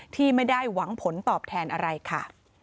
ที่ไม่ได้หวังผลตอบแทนอะไรค่ะ